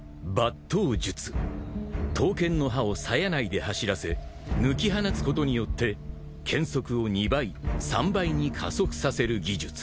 ［刀剣の刃をさや内で走らせ抜き放つことによって剣速を２倍３倍に加速させる技術］